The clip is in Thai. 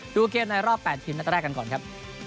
ดูเกมในรอบ๘ทีมนัดแรกกันก่อนครับ